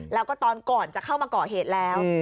แล้วก็ตอนก่อนจะเข้ามาก่อเหตุแล้ว